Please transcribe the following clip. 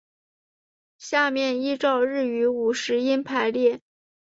下面依照日语五十音排列。